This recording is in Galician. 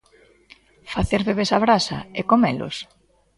Facer bebés á brasa e comelos?